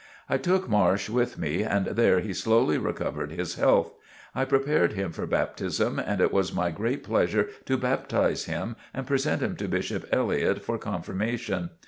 I took Marsh with me and there he slowly recovered his health. I prepared him for baptism and it was my great pleasure to baptize him and present him to Bishop Elliott for confirmation.